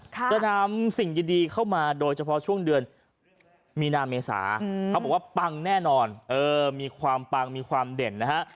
จะนำสิ่งดีเข้ามาโดยเฉพาะช่วงเดือนมีนาเมษาเขาบอกว่าปังแน่นอนมีความปังมีความเด่นนะฮะ